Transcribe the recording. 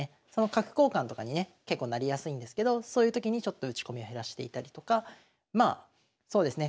角交換とかにね結構なりやすいんですけどそういうときにちょっと打ち込みを減らしていたりとかまあそうですね